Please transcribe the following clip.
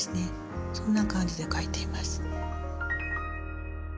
そんな感じで描いています。